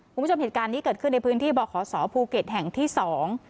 คุณผู้ชมเหตุการณ์นี้เกิดขึ้นในพื้นที่บ่อขอสอภูเก็ตแห่งที่สอง